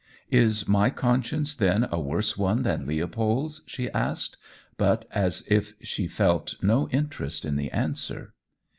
"Is my conscience then a worse one than Leopold's?" she asked, but as if she felt no interest in the answer.